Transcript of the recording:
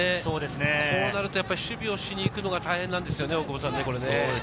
こうなると守備をしに行くのが大変なんですよね。